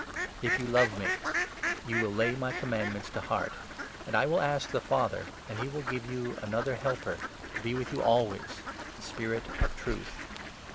If you love me, you will lay my commands to 15 Helper. heart) and j w;n ask the pather, and he will give 16 you another Helper, to be with you always — the Spirit of 17 Truth.